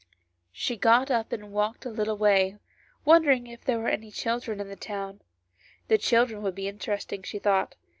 " She got up and walked a little way, wondering if there were any children in the town, the children would be interesting, she thought.